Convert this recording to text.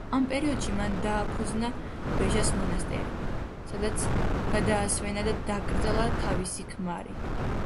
ამ პერიოდში მან დააფუძნა ბეჟას მონასტერი, სადაც გადაასვენა და დაკრძალა თავისი ქმარი.